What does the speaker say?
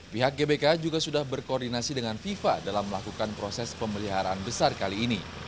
pihak gbk juga sudah berkoordinasi dengan fifa dalam melakukan proses pemeliharaan besar kali ini